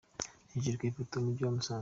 Hejuru ku ifoto: Umujyi wa Musanze.